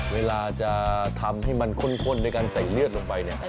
เวลาจะทำให้มันข้นในการใส่เลือดลงไป